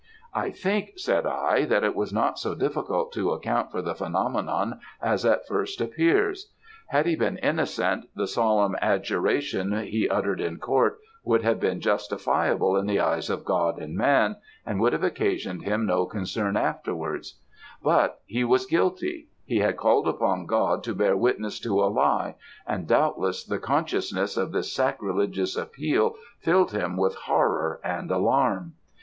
"I think, said I, that it was not so difficult to account for the phenomenon as at first appears. Had he been innocent, the solemn adjuration he uttered in court would have been justifiable in the eyes of God and man, and would have occasioned him no concern afterwards; but he was guilty; he had called upon God to bear witness to a lie, and, doubtless, the consciousness of this sacrilegious appeal filled him with horror and alarm.